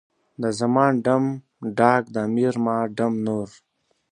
د زمان ډم، ډاګ، د امیر ما ډم نور.